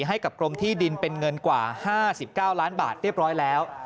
ให้กับกรมที่ดินเป็นเงินกว่า๕๙ล้านบาทเรียบร้อยแล้ว